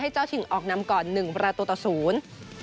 ให้เจ้าถึงออกนำก่อน๑ประตูต่อศูนย์